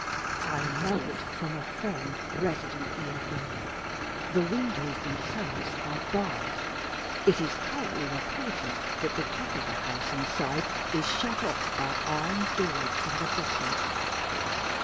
"I know it from a friend resident near him. The windows themselves are barred. It is currently reported that the top of the house, inside, is shut off by iron doors from the bottom.